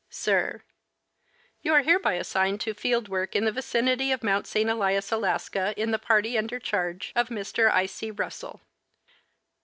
Sir : You are hereby assigned to field work in the vicinity of Mount St. Elias, Alaska, in the party under charge of Mr. I. C. Russell.